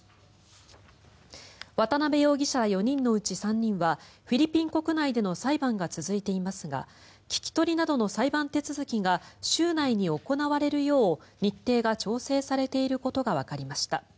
渡邉容疑者ら４人のうち３人はフィリピン国内での裁判が続いていますが聞き取りなどの裁判手続きが週内に行われるよう日程が調整されていることがわかりました。